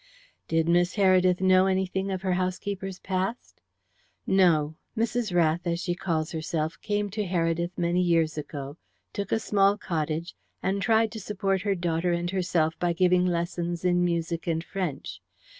"Did Miss Heredith know anything of her housekeeper's past?" "No. Mrs. Rath, as she calls herself, came to Heredith many years ago, took a small cottage, and tried to support her daughter and herself by giving lessons in music and French.